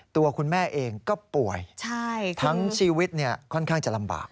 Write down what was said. ตัวคุณแม่เองก็ป่วยทั้งชีวิตค่อนข้างจะลำบาก